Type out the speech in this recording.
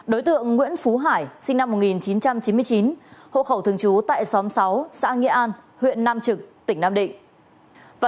đối tượng nguyễn phú hải sinh năm một nghìn chín trăm chín mươi chín hộ khẩu thường trú tại xóm sáu xã nghĩa an huyện nam trực tỉnh nam định